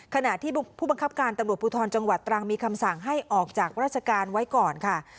ขณะที่ผู้บังคับการตำรวจภูทรจังหวัดตรังมีคำสั่งให้ออกจากราชการไว้ก่อนค่ะ